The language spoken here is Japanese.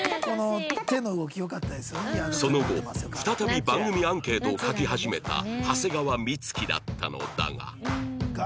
その後再び番組アンケートを書き始めた長谷川美月だったのだがが？